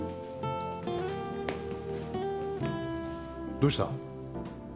どうした？